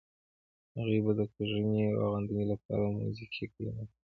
هغې به د کږنې او غندنې لپاره موزیګي کلمه کاروله.